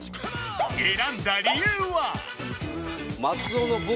選んだ理由は？